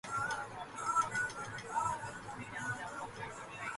That was the end of his Test career.